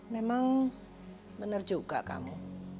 memang benar juga kamu